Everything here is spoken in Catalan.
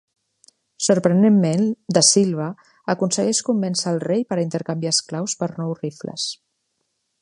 Sorprenentment, da Silva aconsegueix convèncer el rei per intercanviar esclaus per nous rifles.